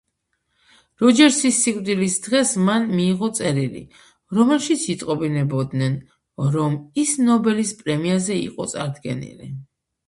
როჯერსის სიკვდილის დღეს მან მიიღო წერილი, რომელშიც იტყობინებოდნენ, რომ ის ნობელის პრემიაზე იყო წარდგენილი.